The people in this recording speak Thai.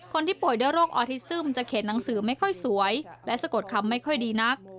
คนที่ป่วยด้วยโรคออทิซึมจะเขียนหนังสือไม่ค่อยสวยและสะกดคำไม่ค่อยดีนัก